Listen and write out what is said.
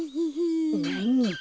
なに？